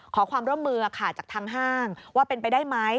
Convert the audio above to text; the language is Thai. ขอความร่วมมือค่ะจากทางห้างว่าเป็นไปได้ไหม